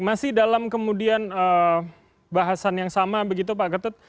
masih dalam kemudian bahasan yang sama begitu pak ketut